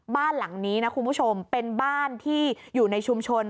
บ้านหลังนี้นะคุณผู้ชมเป็นบ้านที่อยู่ในชุมชน